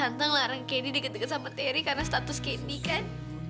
tante ngelarang candy deket deket sama terry karena status candy kan